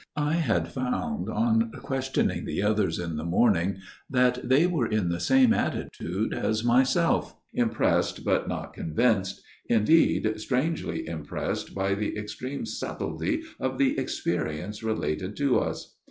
I had found on questioning the others in the morning that they were in the same attitude as myself, impressed, but not convinced indeed, strangely impressed by the extreme subtlety of the experience related to us.